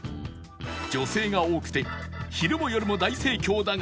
女性が多くて昼も夜も大盛況だが